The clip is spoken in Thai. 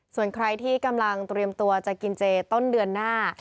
ส่วนใครที่กำลังเตรียมตัวจะกินเจต้นเดือนหน้า